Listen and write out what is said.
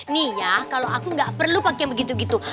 nih ya kalau aku gak perlu pakai begitu begitu